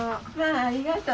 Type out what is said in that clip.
ありがとう。